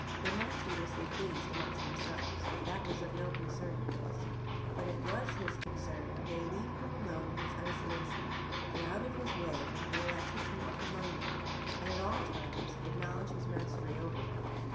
They might do as they pleased amongst themselves. That was no concern of his. But it was his concern that they leave him alone in his isolation, get out of his way when he elected to walk among them, and at all times acknowledge his mastery over them.